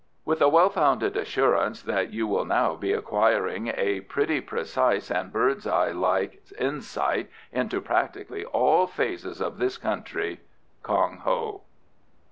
With a fell founded assurance that you will now be acquiring a really precise and bird's eye like insight into practically all phases of this country. KONG HO.